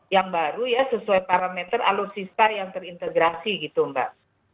yang baru ya sesuai parameter alutsista yang terintegrasi gitu mbak